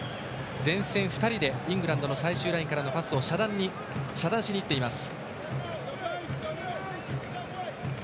前線２人でイングランドの最終ラインからのパスを遮断しにいっています。